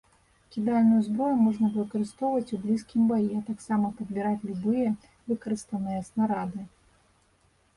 Кідальную зброю можна выкарыстоўваць у блізкім баі, а таксама падбіраць любыя выкарыстаныя снарады.